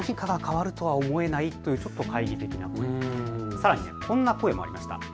さらにこんな声もありました。